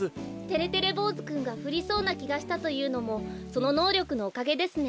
てれてれぼうずくんがふりそうなきがしたというのもそののうりょくのおかげですね。